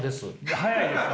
早いですね！